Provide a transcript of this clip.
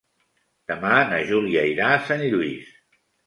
Demà na Júlia irà a Sant Lluís.